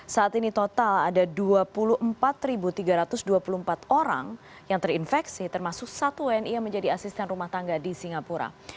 saat ini total ada dua puluh empat tiga ratus dua puluh empat orang yang terinfeksi termasuk satu wni yang menjadi asisten rumah tangga di singapura